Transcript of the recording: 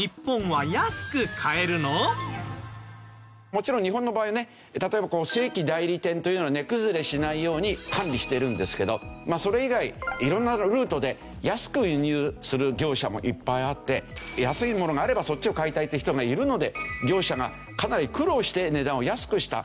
もちろん日本の場合はね例えば正規代理店というのは値崩れしないように管理しているんですけどそれ以外色んなルートで安く輸入する業者もいっぱいあって安い物があればそっちを買いたいって人がいるので業者がかなり苦労して値段を安くした。